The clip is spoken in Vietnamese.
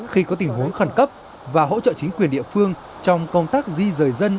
khi có tình huống khẩn cấp và hỗ trợ chính quyền địa phương trong công tác di rời dân